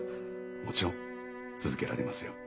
もちろん続けられますよ。